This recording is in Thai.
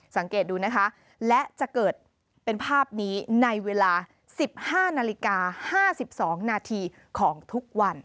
สังเกตดูนะคะและจะเกิดเป็นภาพนี้ในเวลา๑๕นาฬิกา๕๒นาทีของทุกวัน